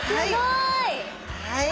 はい。